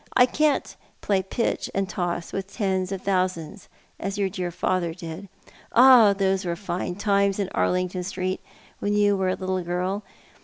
I can't play pitch and toss with tens of thousands, as your dear father did. Ah, those were fine times in Arlington Street, when you ■were a little girl.